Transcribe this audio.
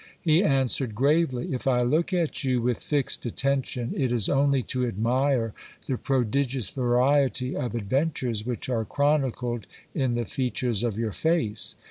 He answered gravely : If I look at you with fixed attention, it is only to admire the prodigious variety of adven tures which are chronicled in the features of your face.